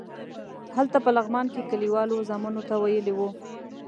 هلته په لغمان کې کلیوالو زامنو ته ویلي وو.